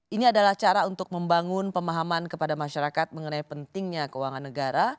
ini adalah cara untuk membangun pemahaman kepada masyarakat mengenai pentingnya keuangan negara